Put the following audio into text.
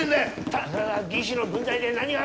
たかが技師の分際で何が分かる！